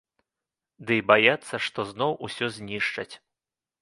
Ды і баяцца, што зноў усё знішчаць.